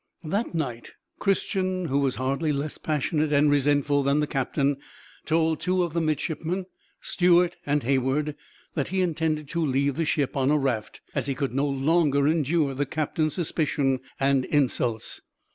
That night, Christian, who was hardly less passionate and resentful than the captain, told two of the midshipmen, Stewart and Hayward, that he intended to leave the ship on a raft, as he could no longer endure the captain's suspicion and insults.